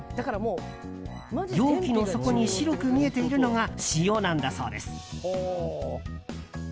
容器の底に白く見えているのが塩なんだそうです。